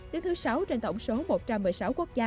đứng thứ sáu trên tổng số một trăm một mươi sáu quốc gia